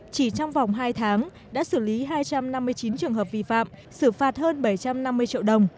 chỉ trong vòng hai tháng đã xử lý hai trăm năm mươi chín trường hợp vi phạm xử phạt hơn bảy trăm năm mươi triệu đồng